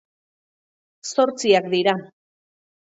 Zortziak dira.